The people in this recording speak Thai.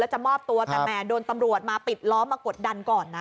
จะมอบตัวแต่แหมโดนตำรวจมาปิดล้อมมากดดันก่อนนะ